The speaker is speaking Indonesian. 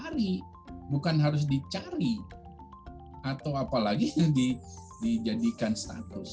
jadi bukan harus dicari atau apalagi dijadikan status